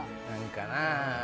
何かな。